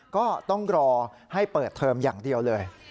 ก็ต้องรอให้เปิดเทอมอย่างเดียวเลย